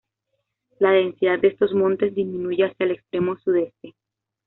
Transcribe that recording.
La densidad de estos montes disminuye hacia el extremo sudeste.